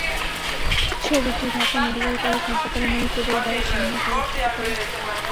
ছবিটি Dhaka medical college হাসপাতালের মূল প্রবেশ দ্বারের সামনের সড়ক থেকে তোলা।